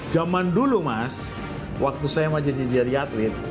zaman dulu mas waktu saya masih jadinya di atlet